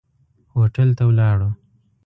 هوټل ته ولاړو.